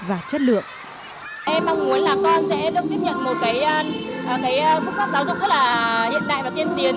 em mong muốn là con sẽ được tiếp nhận một phương pháp giáo dục rất là hiện đại và tiên tiến